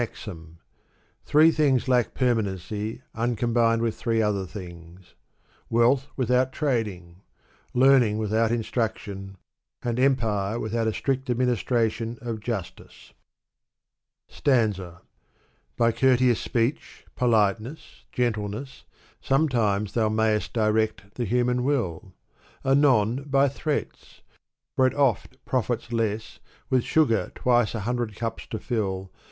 Three things lack permanency, uncombined with three other things : wealth without trading ; learning without instmction ; and empire without a strict ad ministration of justice. StafiMa. By courteous speech, politeness, gentleness. Sometimes thou mayest direct the human will : Anon by threats ; for it oft profits less With sugar twice a hundred cups to fill.